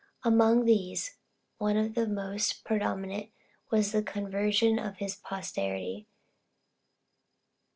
Among these, one of the most prominent was the conversion of his posterity.